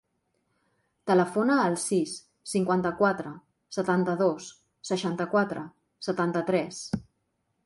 Telefona al sis, cinquanta-quatre, setanta-dos, seixanta-quatre, setanta-tres.